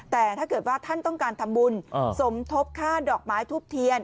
แต่ถ้าเกิดว่าท่านต้องการทำบุญสมทบค่าดอกไม้ทูบเทียน